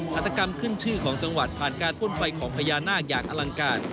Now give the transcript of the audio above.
หัตกรรมขึ้นชื่อของจังหวัดผ่านการพ่นไฟของพญานาคอย่างอลังการ